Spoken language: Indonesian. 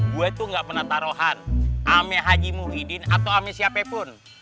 gue itu nggak pernah taruhan sama haji muhyiddin atau sama siapapun